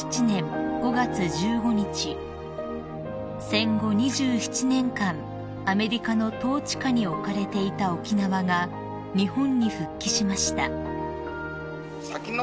［戦後２７年間アメリカの統治下に置かれていた沖縄が日本に復帰しました］